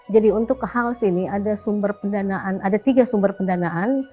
jadi untuk hal ini ada tiga sumber pendanaan